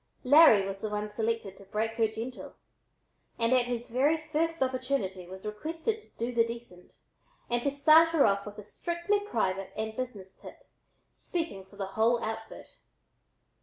Larry was the one selected to "break her gentle," and at his very first opportunity was requested to "do the decent" and to start her off with a strictly private and business tip, speaking for the whole outfit.